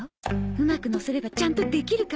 うまくのせればちゃんとできるかも